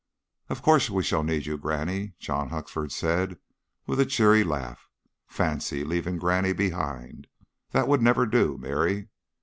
"Of course we shall need you, granny," John Huxford said, with a cheery laugh. "Fancy leaving granny behind! That would never do! Mary!